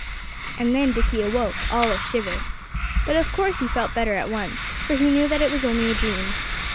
And then Dickie awoke, all a shiver. But of course he felt better at once, for he knew that it was only a dream.